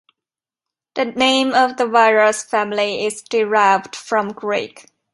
The name of the virus family is derived from Greek.